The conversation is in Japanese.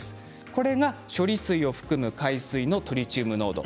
これが処理水を含む海水のトリチウム濃度